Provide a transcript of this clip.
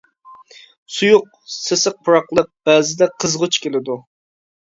سۇيۇق، سېسىق پۇراقلىق، بەزىدە قىزغۇچ كېلىدۇ.